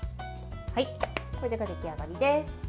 これで出来上がりです。